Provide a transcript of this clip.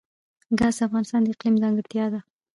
ګاز د افغانستان د اقلیم ځانګړتیا ده.